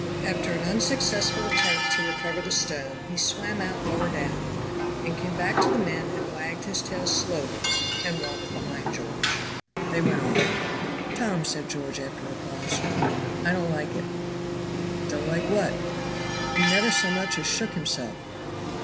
After an unsuccessful attempt to recover the stone he swam out lower down, and came back to the men and wagged his tail slowly, and walked behind George. They went on. "Tom," said George, after a pause, "I don't like it." "Don't like what?" "He never so much as shook himself."